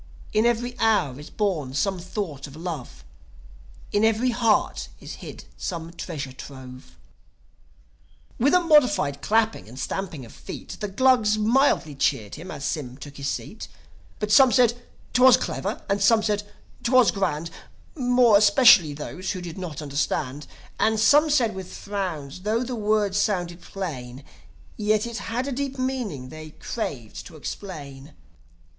In everv hour is born some thought of love; In every heart is hid some treasure trove. ................... With a modified clapping and stamping of feet The Glugs mildly cheered him, as Sym took his seat. But some said 'twas clever, and some said 'twas grand More especially those who did not understand. And some said, with frowns, tho' the words sounded plain, Yet it had a deep meaning they craved to explain.